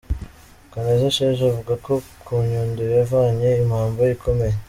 Kaneza Sheja avuga ko ku Nyundo yahavanye impamba ikomeye.